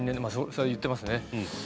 それは言っていますね。